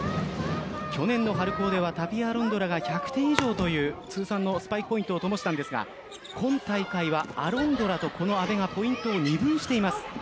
去年の春高ではタピア・アロンドラが１００点以上という通算のスパイクポイントを灯したんですが今回はアロンドラとこの阿部がポイントを二分しています。